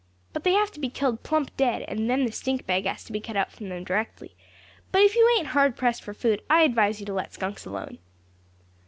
But they have to be killed plump dead, and then the stink bag has to be cut out from them directly; but if you ain't hard pressed for food, I advise you to let skunks alone."